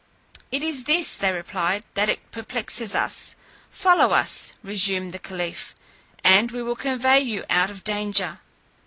"It is this," they replied, "that perplexes us." "Follow us," resumed the caliph, "and we will convey you out of danger."